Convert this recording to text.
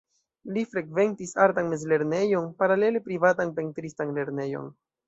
Li frekventis artan mezlernejon, paralele privatan pentristan lernejon.